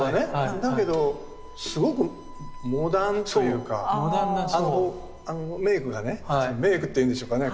だけどすごくモダンというかメークがねメークっていうんでしょうかね